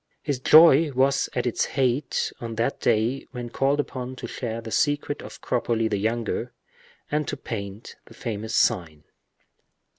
His joy was at its height on that day when called upon to share the secret of Cropoli the younger, and to paint the famous sign.